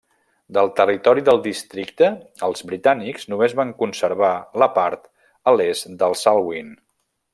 Del territori del districte els britànics només van conservar la part a l'est del Salween.